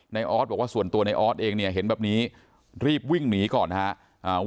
ออสบอกว่าส่วนตัวในออสเองเนี่ยเห็นแบบนี้รีบวิ่งหนีก่อนนะครับ